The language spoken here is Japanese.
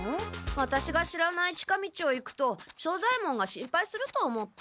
ワタシが知らない近道を行くと庄左ヱ門が心配すると思って。